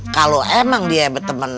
kalau emang dia berteman